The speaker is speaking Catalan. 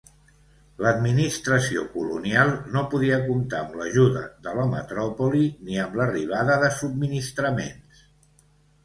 L'administració colonial no podia comptar amb l'ajuda de la metròpoli ni amb l'arribada de subministraments.